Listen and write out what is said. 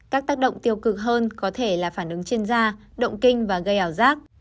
các tác động tiêu cực hơn có thể là phản ứng trên da động kinh và gây ảo giác